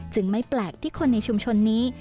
ไม่แปลกที่คนในชุมชนนี้